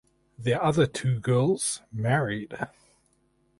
The other two girls married.